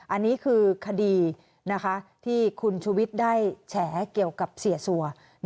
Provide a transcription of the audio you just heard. อันนี้คือคดีที่คุณชุวิตได้แฉเกี่ยวกับเสียสัว